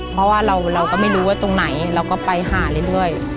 เพราะว่าเราก็ไม่รู้ว่าตรงไหนเราก็ไปหาเรื่อย